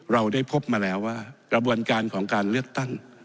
เราได้พบมาแล้วว่ากระบวนการของการเลือกตั้ง